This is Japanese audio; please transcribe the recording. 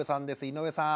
井上さん。